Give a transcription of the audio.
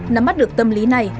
nắm mắt được tâm lý này